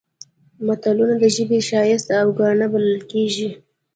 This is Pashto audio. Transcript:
متلونه د ژبې ښایست او ګاڼه بلل کېږي